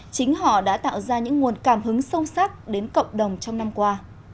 chính họ đã tạo ra những nguồn cảm hứng sâu sắc đến cộng đồng trong năm qua